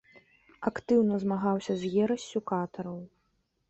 Актыўна змагаўся з ерассю катараў.